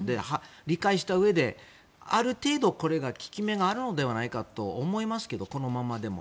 理解したうえである程度、これが効き目があるのではないかと思いますけど、このままでも。